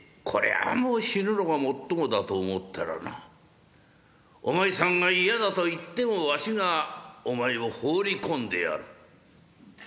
もう死ぬのがもっともだと思ったらなお前さんが嫌だと言ってもわしがお前を放り込んでやる。